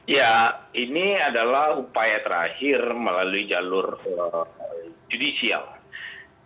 ya ini adalah upaya terakhir melalui jalur judicial